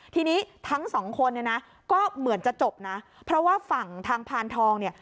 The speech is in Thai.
ทีนี้ทั้งสองคนเนี่ยนะก็เหมือนจะจบนะเพราะว่าฝั่งทางพานทองเนี่ย